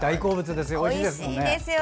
おいしいですよね。